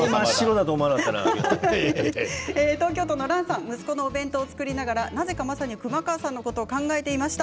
東京都の方は息子の弁当を作りながらなぜか熊川さんのことを思っていました。